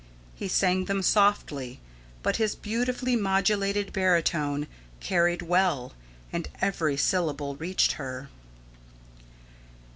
He sang them softly, but his beautifully modulated barytone carried well, and every syllable reached her.